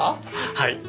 はい。